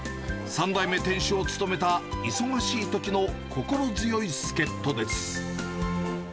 ３代目店主を務めた忙しいときの心強い助っ人です。